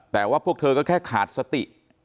แต่ว่าพวกเธอก็แค่ขาดสติ